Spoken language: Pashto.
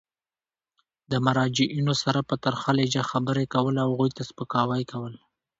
د مراجعینو سره په ترخه لهجه خبري کول او هغوی ته سپکاوی کول.